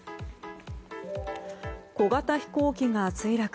小型飛行機が墜落。